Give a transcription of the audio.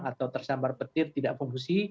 atau tersambar petir tidak kondusi